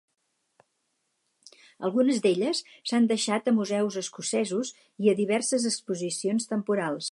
Algunes d'elles s'han deixat a museus escocesos i a diverses exposicions temporals.